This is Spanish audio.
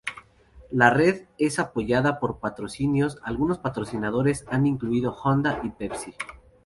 La red es apoyada por patrocinios, algunos patrocinadores han incluido a Honda y Pepsi.